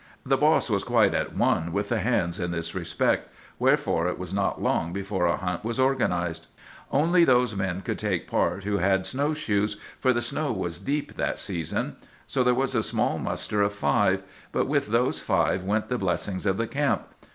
The boss was quite at one with the hands in this respect; wherefore it was not long before a hunt was organized. "Only those men could take part who had snowshoes, for the snow was deep that season. So there was a small muster of five; but with those five went the blessings of the camp.